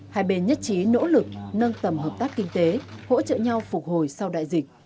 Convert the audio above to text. hai bên nhất trí nỗ lực nâng tầm hợp tác kinh tế hỗ trợ nhau phục hồi sau đại dịch